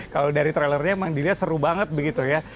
kalau dari trailernya emang dilihat seru banget begitu ya